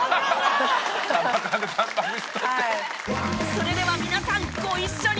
それでは皆さんご一緒に！